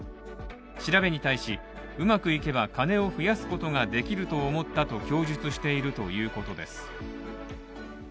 調べに対し、うまくいけば金を増やすことができると思ったと供述しているということです。